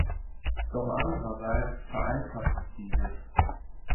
Doch andererseits vereinfacht es dieses.